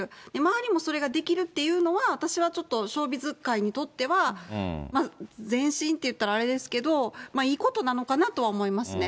周りもそれができるっていうのは、私はちょっとショービズ界にとっては、前進っていったらあれですけれども、いいことなのかな？とは思いますね。